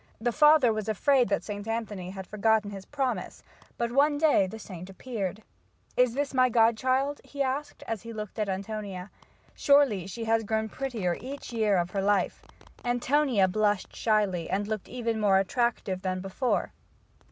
The father was afraid that St. Anthony had forgotten his promise, but one day the saint appeared. "Is this my godchild?" he asked as he looked at Antonia. "Surely she has grown prettier each year of her life." Antonia blushed shyly and looked even more attractive than before.